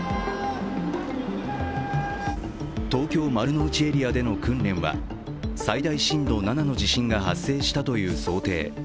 東京・丸の内エリアでの訓練は最大震度７の地震が発生したという想定。